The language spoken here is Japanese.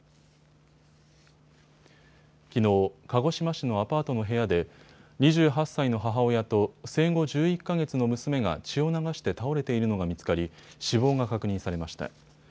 きのう、鹿児島市のアパートの部屋で２８歳の母親と生後１１か月の娘が血を流して倒れているのが見つかり、死亡が確認されました。